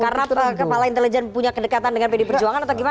karena kepala intelijen punya kedekatan dengan pd perjuangan atau gimana